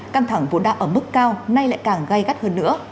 căng thẳng vốn đạo ở mức cao nay lại càng gai gắt hơn nữa